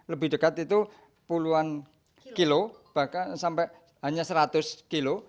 lebih dekat itu puluhan kilo bahkan sampai hanya seratus kilo